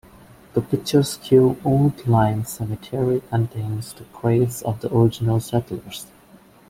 The picturesque Old Lyme Cemetery contains the graves of the original settlers.